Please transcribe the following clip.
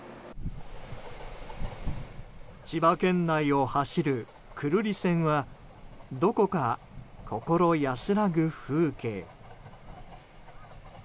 千葉県内を走る久留里線はどこか心安らぐ風景。